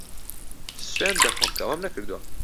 سوێند دەخۆم کە ئەوەم نەکردووە.